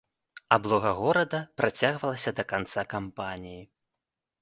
Аблога горада працягвалася да канца кампаніі.